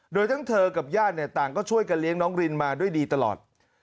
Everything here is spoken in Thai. โดยทั้งเธอกับญาติต่างก็ช่วยกันเลี้ยงน้องรินมาด้วยดีตลอด